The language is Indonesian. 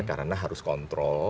karena harus kontrol